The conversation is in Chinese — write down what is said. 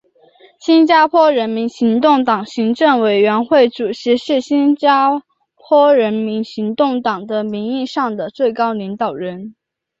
新加坡人民行动党行政委员会主席是新加坡人民行动党的名义上的最高领导人。